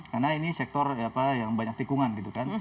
karena ini sektor yang banyak tikungan gitu kan